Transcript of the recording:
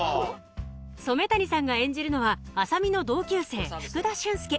染谷さんが演じるのは麻美の同級生福田俊介